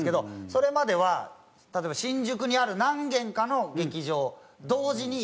それまでは例えば新宿にある何軒かの劇場同時に。